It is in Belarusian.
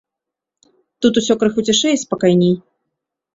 Тут усё крыху цішэй і спакайней.